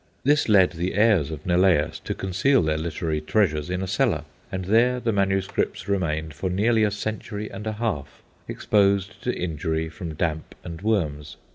This led the heirs of Neleus to conceal their literary treasures in a cellar, and there the manuscripts remained for nearly a century and a half, exposed to injury from damp and worms.